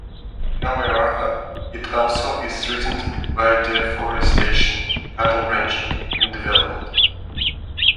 However, it also is threatened by deforestation, cattle ranching, and development.